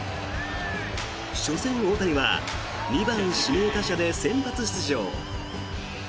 初戦、大谷は２番指名打者で先発出場。